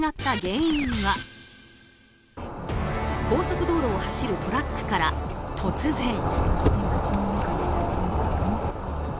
高速道路を走るトラックから突然。